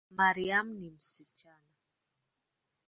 Mariam ni msichana